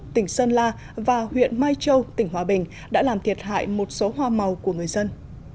tỉnh sơn la và huyện mai châu tỉnh hòa bình đã làm thiệt hại một số hoa màu của người dân